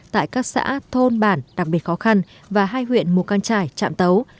tại các xã thôn bản đặc biệt khó khăn và hai huyện mù căng trải trạm tấu